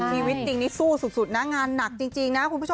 ชีวิตจริงนี่สู้สุดนะงานหนักจริงนะคุณผู้ชม